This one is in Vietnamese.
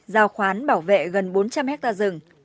giao khoán bảo vệ gần bốn trăm linh hectare rừng